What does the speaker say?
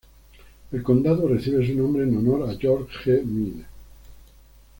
El condado recibe su nombre en honor a George G. Meade.